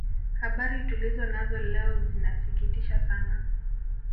habari tulizo nazo leo zinasikitisha sana